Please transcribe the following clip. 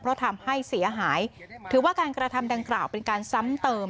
เพราะทำให้เสียหายถือว่าการกระทำดังกล่าวเป็นการซ้ำเติม